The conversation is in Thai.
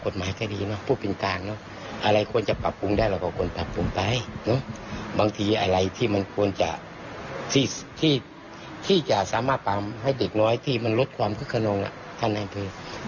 ที่จะสามารถปรับให้เด็กน้อยที่มันลดความคึกขนองถ้านายพืช